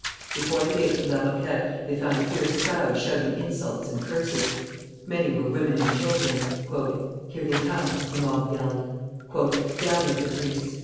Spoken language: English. Before the gates of La Roquette they found a fierce crowd shouting insults and curses. Many were women and children. "Here they come!" the mob yelled. "Down with the priests!